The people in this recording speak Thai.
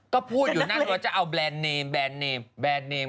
ก็พูดอยู่นั้นว่าจะเอาแบรนด์เนม